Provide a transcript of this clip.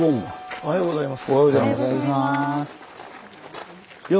おはようございます。